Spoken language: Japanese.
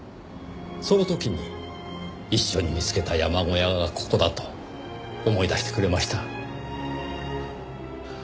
その時に一緒に見つけた山小屋がここだと思い出してくれました。